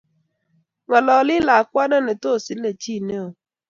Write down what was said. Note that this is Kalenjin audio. Ng'alalin lakwana ne tos ile chi neo.